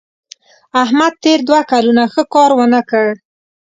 احمد تېر دوه کلونه ښه کار ونه کړ.